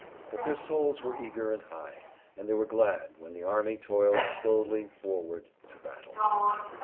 But their souls were eager and high, and they were glad when the army toiled slowly forward to battle.